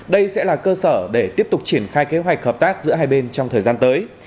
đây sẽ là cơ sở để tiếp tục triển khai kế hoạch hợp tác giữa hai bên trong thời gian tới